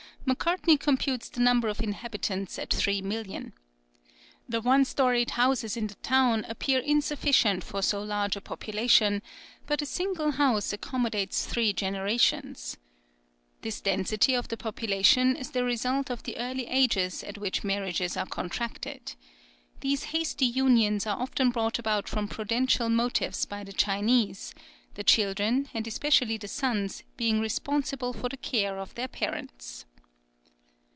Macartney computes the number of inhabitants at three millions. The one storied houses in the town appear insufficient for so large a population, but a single house accommodates three generations. This density of the population is the result of the early ages at which marriages are contracted. These hasty unions are often brought about from prudential motives by the Chinese, the children, and especially the sons, being responsible for the care of their parents.